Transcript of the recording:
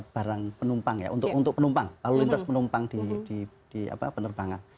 barang penumpang ya untuk penumpang lalu lintas penumpang di penerbangan